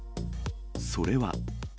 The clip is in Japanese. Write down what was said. それは。